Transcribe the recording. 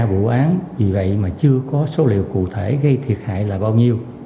điều tra vụ án vì vậy mà chưa có số liệu cụ thể gây thiệt hại là bao nhiêu